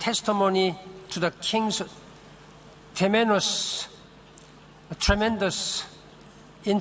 เขาถูกยอมรับวิทยาศาสตร์ทั้งต่างที่